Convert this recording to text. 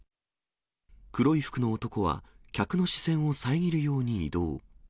黒い服の男は客の視線を遮るように移動。